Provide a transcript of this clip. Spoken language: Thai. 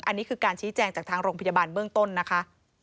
อันนี้คือการชี้แจงจากทางโรงพยาบาลเบื้องต้นนะคะ